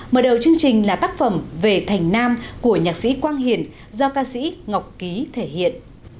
mở đầu chương trình là tác phẩm về thành nam của nhạc sĩ quang hiền do ca sĩ ngọc ký thể hiện